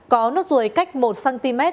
có nốt ruồi cách một cm